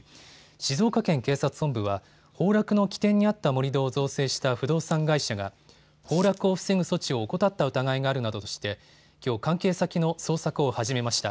静岡県警察本部は崩落の起点にあった盛り土を造成した不動産会社が崩落を防ぐ措置を怠った疑いがあるなどとしてきょう関係先の捜索を始めました。